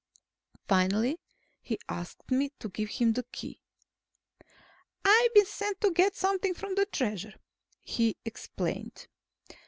Finally, he asked me to give him the Key. "I've been sent to get something from the Treasure," he explained.